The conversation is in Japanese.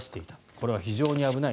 これは非常に危ない。